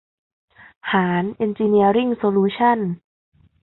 หาญ เอ็นจิเนียริ่ง โซลูชั่นส์